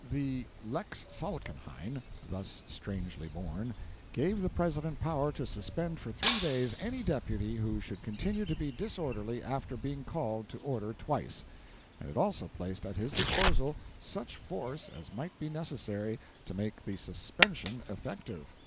The 'Lex Falkenhayn,' thus strangely born, gave the President power to suspend for three days any deputy who should continue to be disorderly after being called to order twice, and it also placed at his disposal such force as might be necessary to make the suspension effective.